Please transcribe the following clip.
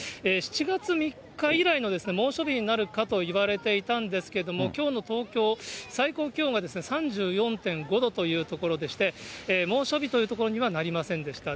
７月３日以来の猛暑日になるかといわれていたんですけれども、きょうの東京、最高気温が３４．５度というところでして、猛暑日というところにはなりませんでした。